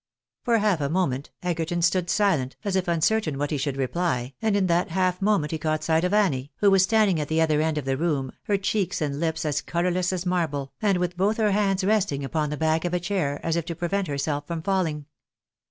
For half a moment Egerton stood silent, as if uncertain what he should reply, and in that half moment he caught sight of Annie, who was standing at the other end of the room, her cheeks and hps as colourless as marble, and with both her hands resting upon the back of a chair, as if to prevent herself from falling.